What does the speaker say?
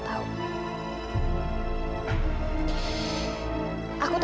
tapi satu hal yang perlu kamu tau